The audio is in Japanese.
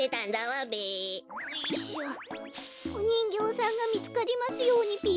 おにんぎょうさんがみつかりますようにぴよ。